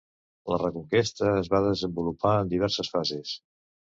La Reconquesta es va desenvolupar en diverses fases.